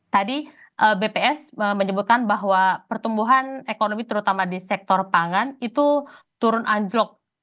tadi bps menyebutkan bahwa pertumbuhan ekonomi terutama di sektor pangan itu turun anjlok